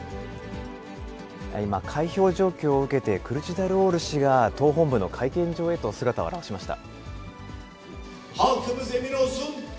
今、開票状況を受けて、クルチダルオール氏が党本部の会見場へと姿を現しました。